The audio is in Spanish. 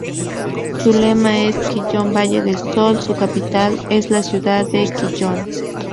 Su lema es "Quillón Valle del Sol"; su capital es la ciudad de Quillón.